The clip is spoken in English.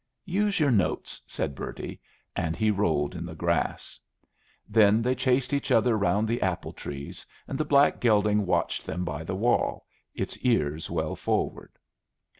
"Use your notes," said Bertie, and he rolled in the grass. Then they chased each other round the apple trees, and the black gelding watched them by the wall, its ears well forward.